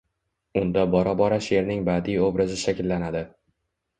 unda bora-bora sheʼrning badiiy obrazi shakllanadi.